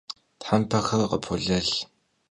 Thempexer khıpolhelh.